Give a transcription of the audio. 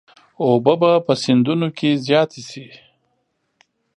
اوبه به په سیندونو کې زیاتې شي.